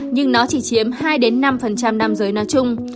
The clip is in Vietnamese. nhưng nó chỉ chiếm hai năm nam giới nói chung